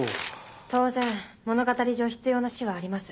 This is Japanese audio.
当然物語上必要な死はあります。